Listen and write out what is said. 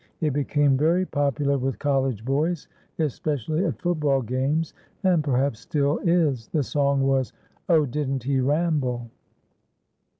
It became very popular with college boys, especially at football games, and perhaps still is. The song was, "Oh, Didn't He Ramble!"